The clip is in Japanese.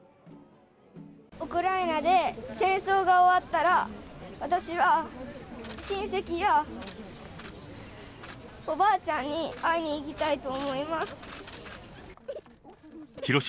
ウクライナで戦争が終わったら、私は親戚やおばあちゃんに会いに行きたいと思います。